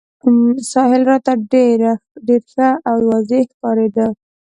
ساحل راته ډېر ښه او واضح ښکارېده.